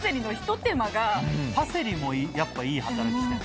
パセリもやっぱいい働きしてる？